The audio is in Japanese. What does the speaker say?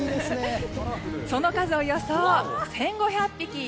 その数、およそ１５００匹。